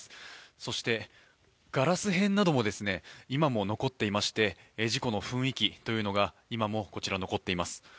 そして、ガラス片なども今も残っていまして、事故の雰囲気というのが今もこちら残っています。